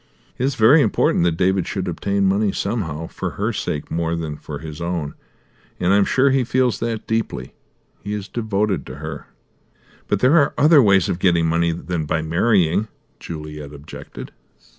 It is very important that David should obtain money somehow, for her sake more than for his own, and I'm sure he feels that deeply. He is devoted to her." "But there are other ways of getting money than by marrying," Juliet objected.